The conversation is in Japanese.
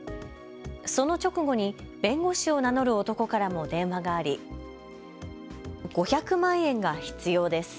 その直後に弁護士を名乗る男からも電話があり５００万円が必要です。